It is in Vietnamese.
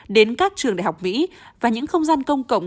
đến các trường đại học mỹ và những không gian công cộng